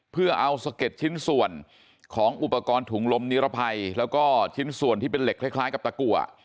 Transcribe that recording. เพื่อเอาสะเก็ดชิ้นส่วนของอุปกรณ์ถุงลมนิรภัยแล้วก็ชิ้นส่วนที่เป็นเหล็กคล้ายกับตะกัว